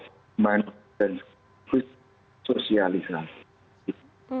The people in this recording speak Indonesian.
semain dan sosialisasi